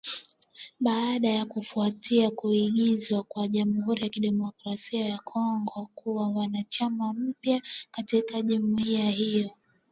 Baada ya kufuatia kuingizwa kwa Jamhuri ya Kidemokrasi ya Kongo kuwa mwanachama mpya katika jumuiya hiyo.